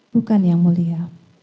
bukan yang mulia